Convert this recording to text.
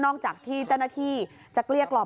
พอหลังจากเกิดเหตุแล้วเจ้าหน้าที่ต้องไปพยายามเกลี้ยกล่อม